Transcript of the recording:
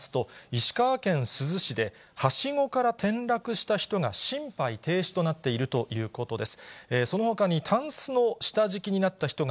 石川県珠洲市で、はしごから転落した人が、心肺停止となっているということです。